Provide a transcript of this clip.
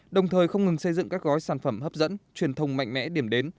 đồng thời không ngừng xây dựng các gói sản phẩm hấp dẫn truyền thông mạnh mẽ điểm đến